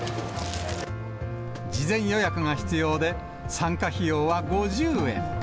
事前予約が必要で、参加費用は５０円。